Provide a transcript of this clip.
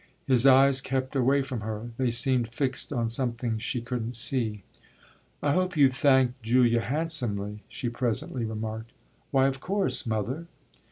His eyes kept away from her; they seemed fixed on something she couldn't see. "I hope you've thanked Julia handsomely," she presently remarked. "Why of course, mother."